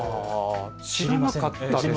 知らなかったです。